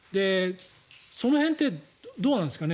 その辺ってどうなんですかね。